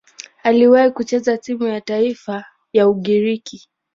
Aliwahi kucheza timu ya taifa ya Ugiriki.